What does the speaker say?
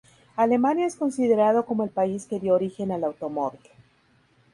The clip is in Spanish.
Alemania es considerado como el país que dio origen al automóvil.